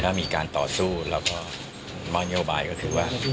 ถ้ามีการต่อสู้แล้วก็มอบนโยบายก็คือว่า